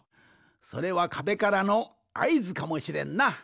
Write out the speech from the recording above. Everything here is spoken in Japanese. それはかべからのあいずかもしれんな。